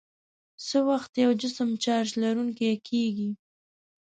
څه وخت یو جسم چارج لرونکی کیږي؟